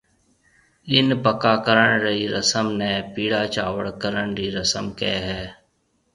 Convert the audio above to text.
ڏِن پڪا ڪرڻ رِي رسم نيَ پيݪا چاول ڪرن رِي رسم ڪھيََََ ھيََََ